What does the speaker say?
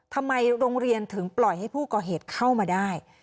ทำไมโรงเรียนถึงปล่อยให้ผู้ก่อเหตุเข้ามาได้